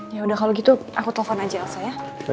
ya udah kalo gitu aku telfon aja elsa ya